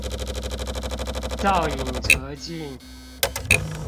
造飲輒盡